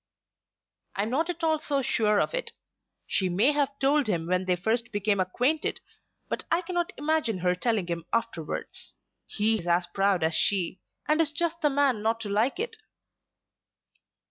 "I am not at all so sure of it. She may have told him when they first became acquainted, but I cannot imagine her telling him afterwards. He is as proud as she, and is just the man not to like it."